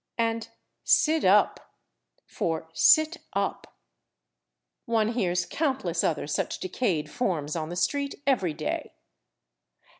and "siddup" (for "sit up"). One hears countless other such decayed forms on the street every day.